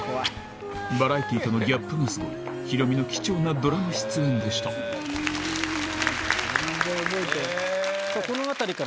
バラエティーとのギャップがスゴいヒロミの貴重なドラマ出演でした全然覚えてない。